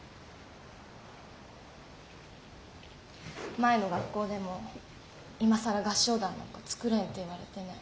前の学校でも今更合唱団なんかつくれんって言われてね。